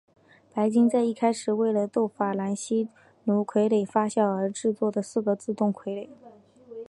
白金在一开始为了逗法兰西奴傀儡发笑而制作的四个自动傀儡。